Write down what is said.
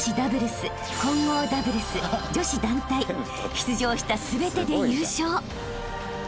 ［出場した全てで優勝］